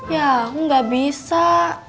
ya aku gak bisa